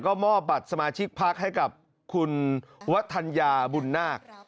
ก็มอบบัตรสมาชิกพักให้กับคุณวัฒนยาบุญนาค